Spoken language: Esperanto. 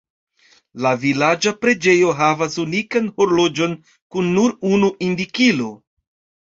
La vilaĝa preĝejo havas unikan horloĝon kun nur unu indikilo.